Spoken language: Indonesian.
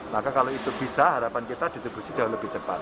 maka kalau itu bisa harapan kita distribusi jauh lebih cepat